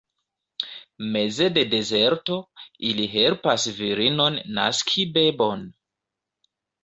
Meze de dezerto, ili helpas virinon naski bebon.